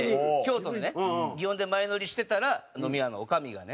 園で前乗りしてたら飲み屋の女将がね